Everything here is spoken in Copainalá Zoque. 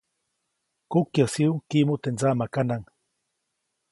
Kukyäjsiʼuŋ kiʼmu teʼ ndsaʼmakanaʼŋ.